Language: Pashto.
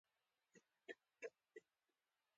دا دیوالونه په ذهن کې جوړ شوي دي.